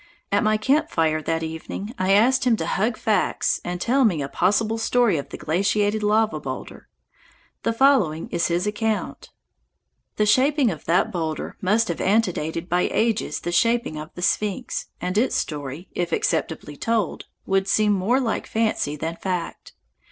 At my camp fire that evening I asked him to hug facts and tell me a possible story of the glaciated lava boulder. The following is his account: The shaping of that boulder must have antedated by ages the shaping of the Sphinx, and its story, if acceptably told, would seem more like fancy than fact.